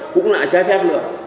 cũng lại trái phép nữa